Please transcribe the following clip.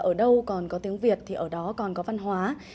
ở đâu còn có tiếng việt thì ở đó còn có văn hóa